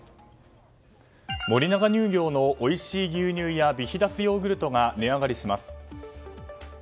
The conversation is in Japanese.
森永乳業のおいしい牛乳やビヒダスヨーグルトが値上がりします。